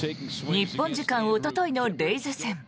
日本時間おとといのレイズ戦。